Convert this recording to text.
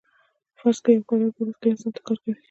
فرض کړئ یو کارګر په ورځ کې لس ساعته کار کوي